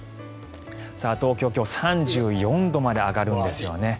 東京、今日は３４度まで上がるんですよね。